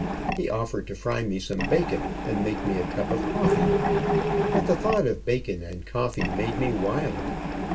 He offered to fry me some bacon, and make me a cup of coffee, but the thought of bacon and coffee made me wild.